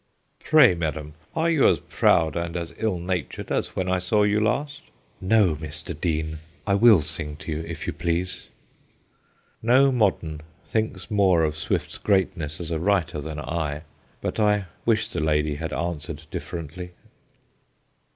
...' Pray, madam, are you as proud and as ill natured as when I saw you last ?'' No, Mr. Dean ; I will ANOTHER SAD TALE 113 sing to you, if you please.' No modern thinks more of Swift's greatness as a writer than I, but I wish the lady had answered differently.